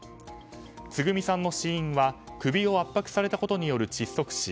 つぐみさんの死因は首を圧迫されたことによる窒息死。